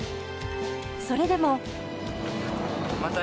それでも。